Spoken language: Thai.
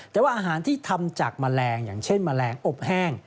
แต่ว่าอาหารที่ทำจากแมลงอย่างเช่นแมลงอบแห้ง